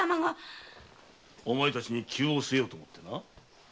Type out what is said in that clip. お前たちに灸をすえようと思ってな。